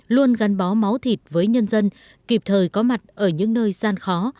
luôn gắn bó máu thịt với nhân dân kịp thời có mặt ở những nơi gian khó